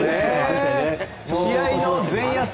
試合の前夜祭